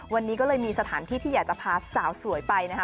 วันนี้ก็เลยมีสถานที่ที่อยากจะพาสาวสวยไปนะคะ